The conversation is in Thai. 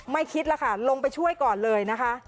คิดแล้วค่ะลงไปช่วยก่อนเลยนะคะ